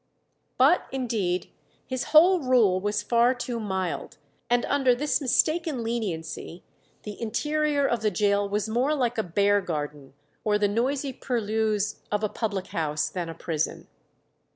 But, indeed, his whole rule was far too mild, and under this mistaken leniency the interior of the gaol was more like a bear garden or the noisy purlieus of a public house than a prison.